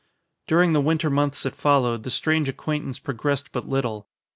During the winter months that followed, the strange acquaintance progressed but little.